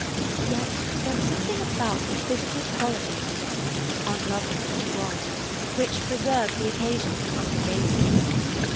Yet there was something about the physical quality of the woman, unlovely though she was, which preserved the occasion from utter baseness.